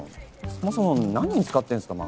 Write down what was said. そもそも何に使ってんすか？